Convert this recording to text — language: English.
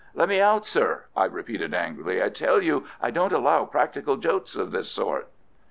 "Let me out, sir!" I repeated angrily. "I tell you I don't allow practical jokes of this sort."